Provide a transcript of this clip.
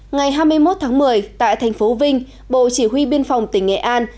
ngày hai mươi một tháng một mươi tại thành phố vinh bộ chỉ huy biên phòng tỉnh nghệ an